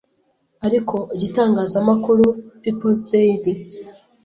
ariko igitangazamakuru People's Daily